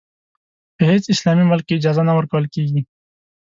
په هېڅ اسلامي ملک کې اجازه نه ورکول کېږي.